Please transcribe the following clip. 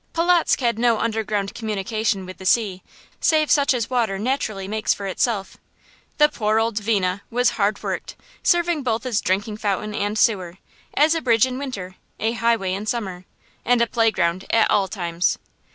Polotzk had no underground communication with the sea, save such as water naturally makes for itself. The poor old Dvina was hard worked, serving both as drinking fountain and sewer, as a bridge in winter, a highway in summer, and a playground at all times.